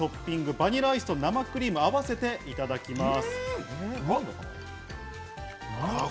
バニラアイスと生クリームを合わせていただきます。